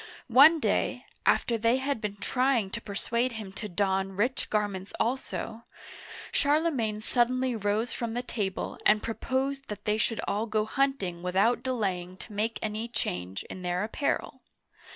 OnQ day, after they had been trying to persuade him to don rich garments also, Charlemagne suddenly rose from the table and proposed that they should all go hunt ing without delaying to make any change in their apparel.